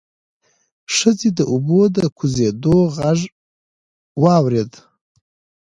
ښځې د اوبو د کوزېدو غږ واورېد.